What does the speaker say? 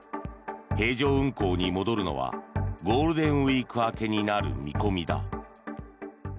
平常運行に戻るのはゴールデンウィーク明けになる見込みだ。